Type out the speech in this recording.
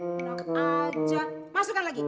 enak aja masukkan lagi